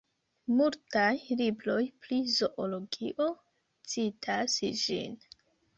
Multaj libroj pri zoologio citas ĝin.